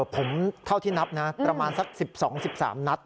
ผมเท่าที่นับนะประมาณสัก๑๒๑๓นัด